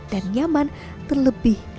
dan nyaman terlebih